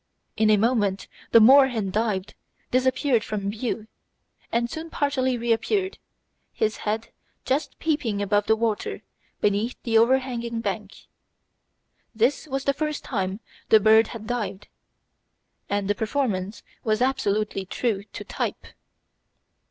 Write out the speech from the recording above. In a moment the moorhen dived, disappeared from view, and soon partially reappeared, his head just peeping above the water beneath the overhanging bank. This was the first time the bird had dived, and the performance was absolutely true to type.